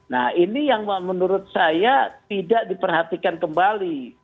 nah ini yang menurut saya tidak diperhatikan kembali